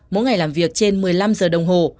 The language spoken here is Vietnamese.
mỗi ngày làm việc trên một mươi năm giờ đồng hồ